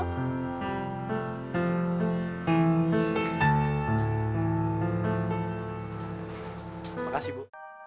terima kasih bu